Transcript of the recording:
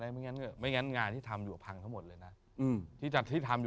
ที่ตั้งทีทำอยู่ทางหมดเนี่ย